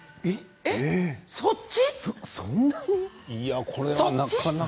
そっち？